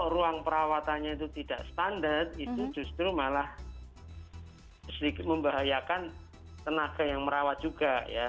ruang perawatannya itu tidak standar itu justru malah membahayakan tenaga yang merawat juga ya